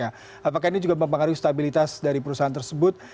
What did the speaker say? apakah ini juga mempengaruhi stabilitas dari perusahaan tersebut